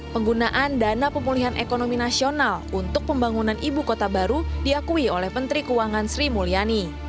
penggunaan dana pemulihan ekonomi nasional untuk pembangunan ibu kota baru diakui oleh menteri keuangan sri mulyani